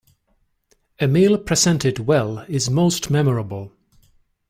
A meal presented well is most memorable.